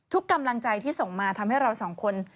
กำลังใจที่ส่งมาทำให้เราสองคน